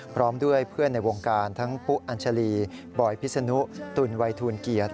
พร้อมด้วยเพื่อนในวงการทั้งปุ๊อัญชาลีบอยพิษนุตุลวัยทูลเกียรติ